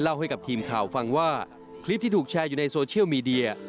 เจ้าฟังว่าคลิปที่ถูกแชร์อยู่ในโซเชียลมีเดีย